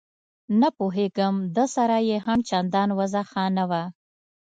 نه پوهېږم ده سره یې هم چندان وضعه ښه نه وه.